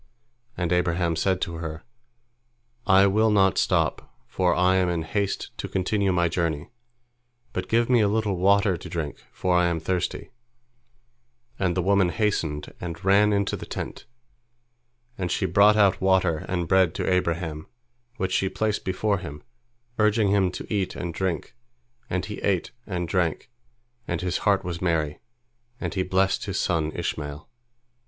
And Abraham said to her, "I will not stop, for I am in haste to continue my journey, but give me a little water to drink, for I am thirsty," and the woman hastened and ran into the tent, and she brought out water and bread to Abraham, which she placed before him, urging him to eat and drink, and he ate and drank, and his heart was merry, and he blessed his son Ishmael.